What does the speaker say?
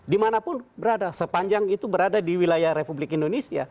dimanapun berada sepanjang itu berada di wilayah republik indonesia